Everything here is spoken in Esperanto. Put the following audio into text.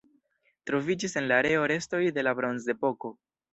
Troviĝis en la areo restoj de la Bronzepoko.